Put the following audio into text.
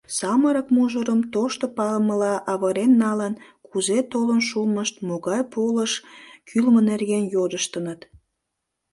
Самырык мужырым тошто палымыла авырен налын, кузе толын шумышт, могай полыш кӱлмӧ нерген йодыштыныт.